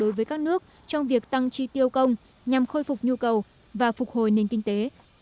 đối với các nước trong việc tăng chi tiêu công nhằm khôi phục nhu cầu và phục hồi nền kinh tế